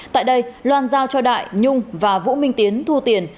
tại đây loan giao cho đại nhung và vũ minh tiến thu tiền